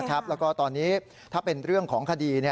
แล้วก็ตอนนี้ถ้าเป็นเรื่องของคดี